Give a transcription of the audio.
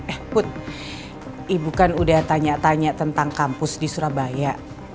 eh put ibu kan udah tanya tanya tentang kampus di surabaya